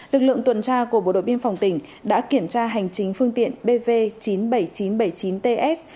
lực lượng tuần tra của bộ đội biên phòng tỉnh đã kiểm tra hành chính phương tiện bv chín mươi bảy nghìn chín trăm bảy mươi chín ts